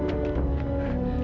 tidak usah balik